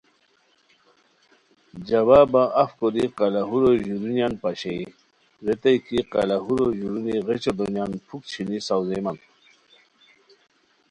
؟ جوابہ اف کوری قلاہورو ژورونیان پاشئے ریتائے کی قلاہورو ژورونی غیچو دونیان پُھک چھینی ساؤزیمان